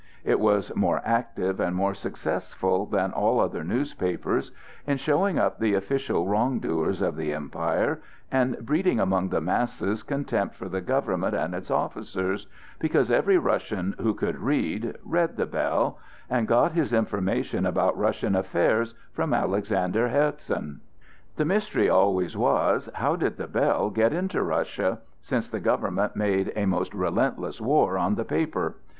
It was more active and more successful than all other newspapers in showing up the official wrong doers of the empire and breeding among the masses contempt for the government and its officers, because every Russian who could read, read "The Bell," and got his information about Russian affairs from Alexander Herzen. The mystery always was: How did "The Bell" get into Russia? since the government made a most relentless war on the paper.